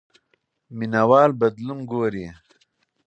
مینه وال بدلون ګوري.